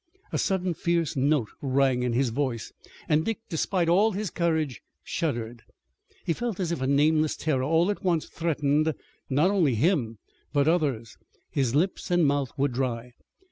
A sudden fierce note rang in his voice, and Dick, despite all his courage, shuddered. He felt as if a nameless terror all at once threatened not only him, but others. His lips and mouth were dry.